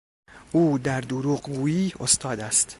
او در دروغگویی استاد است.